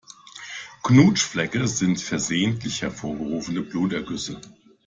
Knutschflecke sind versehentlich hervorgerufene Blutergüsse.